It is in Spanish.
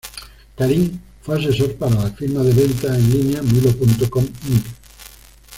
Karim fue asesor para la firma de ventas en línea Milo.com, Inc.